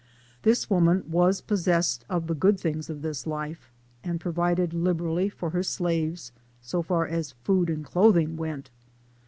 This w r oman was possess ed of the good things of this life, and provided lib erally for her slaves so far as food and clothing went.